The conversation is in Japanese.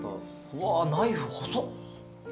うわナイフ細っ。